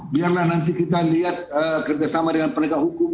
biarlah nanti kita lihat kerjasama dengan penegak hukum